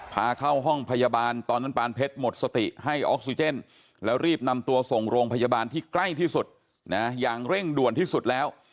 พาเข้าห้องพยาบาลตอนนั้นปานเพชรหมดสติให้ออกซิเจนแล้วรีบนำตัวส่งโรงพยาบาลที่ใกล้ที่สุดนะอย่างเร่งด่วนที่สุดแล้ว